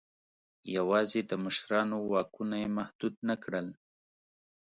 یوازې د مشرانو واکونه یې محدود نه کړل.